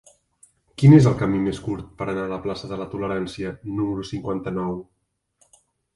Quin és el camí més curt per anar a la plaça de la Tolerància número cinquanta-nou?